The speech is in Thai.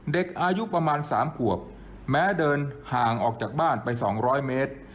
เด็กอายุประมาณ๓ขวบแม้เดินห่างออกจากบ้านไป๒๐๐เมตร